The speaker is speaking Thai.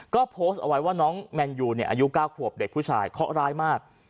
ก็โพสต์เอาไว้ว่าน้องแมนยูอายุ๙ขวบเด็กผู้ชายเคาะร้ายมาก